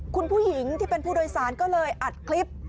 คุณผู้หญิงที่เป็นผู้โดยสารก็เลยอัดคลิป